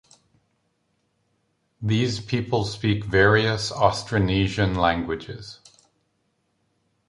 These people speak various Austronesian languages.